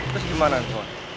terus gimana itu